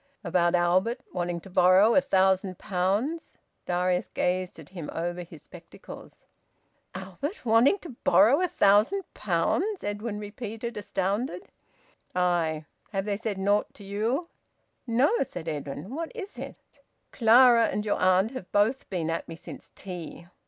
"About Albert wanting to borrow a thousand pounds?" Darius gazed at him over his spectacles. "Albert wanting to borrow a thousand pounds!" Edwin repeated, astounded. "Aye! Have they said naught to you?" "No," said Edwin. "What is it?" "Clara and your aunt have both been at me since tea.